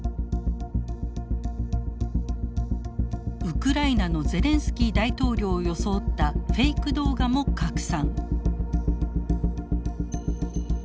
ウクライナのゼレンスキー大統領を装ったフェイク動画も拡散。